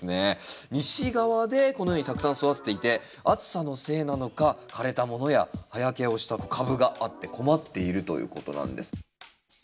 西側でこのようにたくさん育てていて暑さのせいなのか枯れたものや葉焼けをした株があって困っているということなんです。